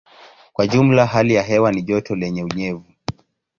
Kwa jumla hali ya hewa ni joto lenye unyevu.